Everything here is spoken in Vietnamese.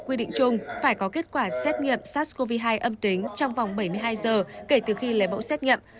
quy định chung phải có kết quả xét nghiệm sars cov hai âm tính trong vòng bảy mươi hai giờ kể từ khi lấy mẫu xét nghiệm